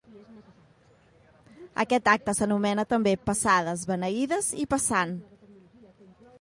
Aquest acte s'anomena també Passades, Beneïdes i Passant.